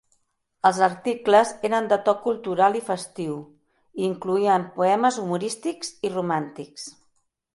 Els articles eren de to cultural i festiu i incloïen poemes humorístics i romàntics.